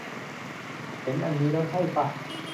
เห็นอันนี้แล้วใช่ป่ะ